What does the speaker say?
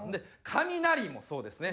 カミナリもそうですね。